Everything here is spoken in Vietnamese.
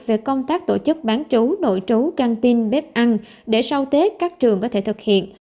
về công tác tổ chức bán trú nội trú căng tin bếp ăn để sau tết các trường có thể thực hiện